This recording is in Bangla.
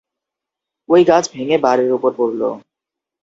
ঐ গাছ ভেঙে বাড়ির ওপর পড়ল।